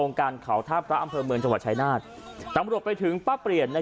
การเขาท่าพระอำเภอเมืองจังหวัดชายนาฏตำรวจไปถึงป้าเปลี่ยนใน